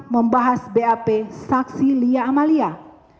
membahas bap saksi liyamanik